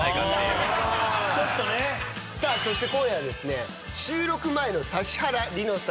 そして今夜はですね。